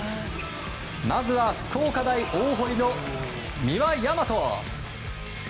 まずは、福岡大大濠の三輪大和。